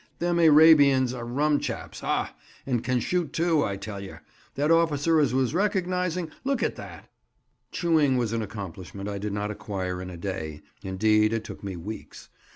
"Them Arabians are rum chaps; ah, and can shoot too, I tell yer: that officer as was recognisizing—look at that!" Chewing was an accomplishment I did not acquire in a day; indeed, it took me weeks.